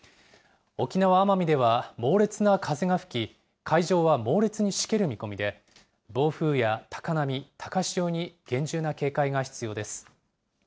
沖縄・奄美では、猛烈な風が吹き、海上は猛烈にしける見込みで、暴風や高波、高潮に厳重な警戒が必要です。